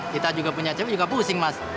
kita punya cewek juga pusing mas